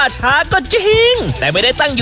จริง